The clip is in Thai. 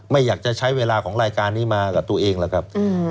ไม่อยากจะใช้เวลาของรายการนี้มากับตัวเองหรอกครับ